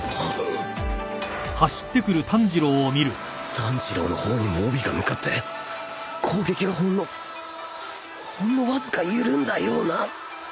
炭治郎の方にも帯が向かって攻撃がほんのほんのわずか緩んだような